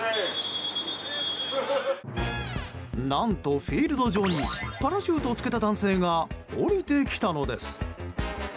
何と、フィールド上にパラシュートをつけた男性が下りてきたのです。